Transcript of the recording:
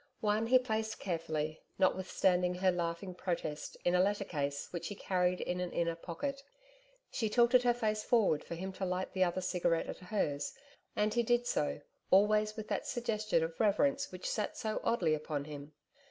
One he placed carefully, notwithstanding her laughing protest, in a letter case which he carried in an inner pocket. She tilted her face forward for him to light the other cigarette at hers, and he did so, always with that suggestion of reverence which sat so oddly upon him.